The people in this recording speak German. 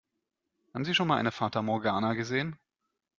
Haben Sie schon einmal eine Fata Morgana gesehen?